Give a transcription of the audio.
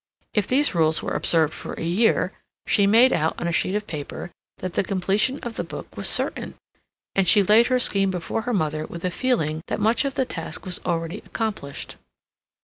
If these rules were observed for a year, she made out on a sheet of paper that the completion of the book was certain, and she laid her scheme before her mother with a feeling that much of the task was already accomplished.